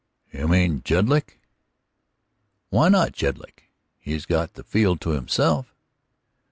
"You mean Jedlick?" "Why not Jedlick? He's got the field to himself."